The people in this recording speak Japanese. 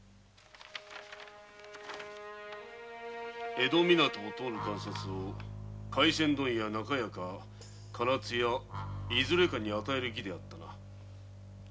江戸湊を通る鑑札を回船問屋「中屋」か「唐津屋」のいずれかに与える儀であったな。